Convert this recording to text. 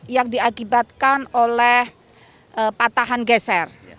yang diakibatkan oleh patahan geser